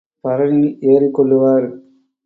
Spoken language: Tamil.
பரணில் ஏறிக் கொள்ளுவார்.